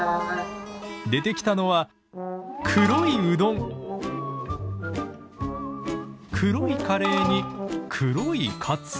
出てきたのは黒いカレーに黒いカツ。